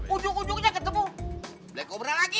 ujung ujungnya ketemu black kobral lagi